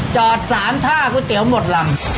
จอดสารท่าก๋วยเตี๋ยวหมดลำ